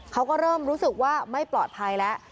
เขาก็เริ่มรู้สึกว่าไม่ปลอดภัยแล้ว